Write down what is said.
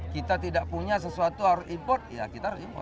kita tidak punya sesuatu harus import ya kita harus import